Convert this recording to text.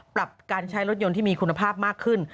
ปรับการใช้รถยนต์ที่มีคุณภาพมากขึ้น